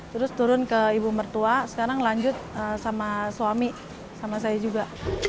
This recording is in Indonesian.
terus turun ke ibu mertua sekarang lanjut sama suami sama saya juga